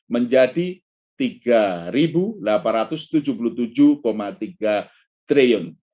menjadi rp tiga delapan ratus tujuh puluh tujuh tiga triliun